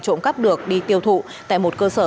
trộm cắp được đi tiêu thụ tại một cơ sở